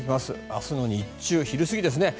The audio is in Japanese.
明日の日中、昼過ぎですね。